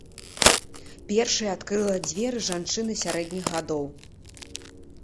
Першай адкрыла дзверы жанчына сярэдніх гадоў.